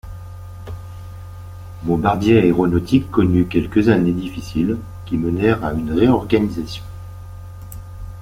Bombardier Aéronautique connut quelques années difficiles qui menèrent à une réorganisation.